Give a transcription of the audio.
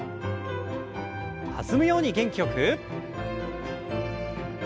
弾むように元気よく。